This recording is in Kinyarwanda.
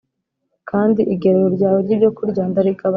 kandi igerero ryawe ry’ibyokurya ndarigabanije